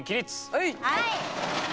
はい！